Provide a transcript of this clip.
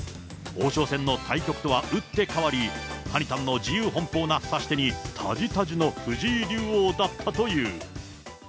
王将戦の対局とは打って変わり、はにたんの自由奔放な差し手に、たじたじの藤井竜王だったという。